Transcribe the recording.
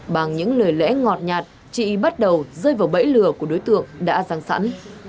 bằng những lời lẽ ngọt nhạt chị bắt đầu rơi vào bẫy lừa của đối tượng đã răng sẵn